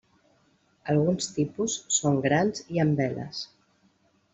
Alguns tipus són grans i amb veles.